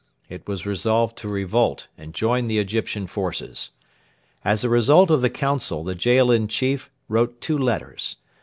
It was resolved to revolt and join the Egyptian forces. As a result of the council the Jaalin chief wrote two letters.